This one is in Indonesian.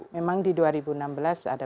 memang di dua ribu enam belas ada